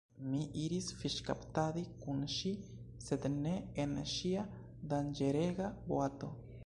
Mi iris fiŝkaptadi kun ŝi sed ne en ŝia danĝerega boato.